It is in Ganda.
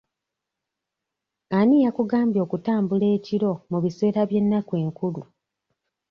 Ani yakugamba okutambula ekiro mu biseera by'ennaku enkulu?